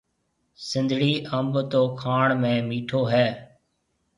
سنڌڙِي انڀ تو کاڻ ۾ مِٺو هيَ۔